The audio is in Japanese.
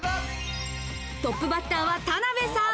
トップバッターは田辺さん。